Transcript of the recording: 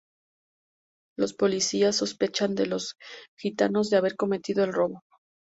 Los policías sospechan de los gitanos de haber cometido el robo.